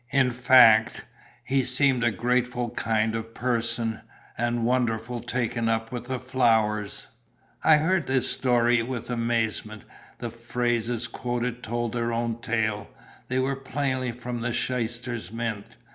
In fact, he seemed a grateful kind of person, and wonderful taken up with flowers." I heard this story with amazement. The phrases quoted told their own tale; they were plainly from the shyster's mint.